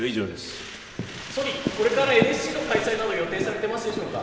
総理、これからＮＳＣの開催など、予定されていますでしょうか。